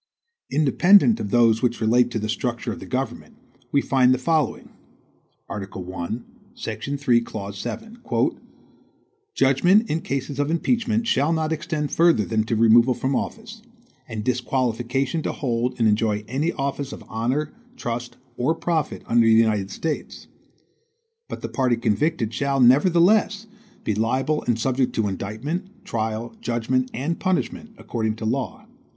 Independent of those which relate to the structure of the government, we find the following: Article 1, section 3, clause 7 "Judgment in cases of impeachment shall not extend further than to removal from office, and disqualification to hold and enjoy any office of honor, trust, or profit under the United States; but the party convicted shall, nevertheless, be liable and subject to indictment, trial, judgment, and punishment according to law."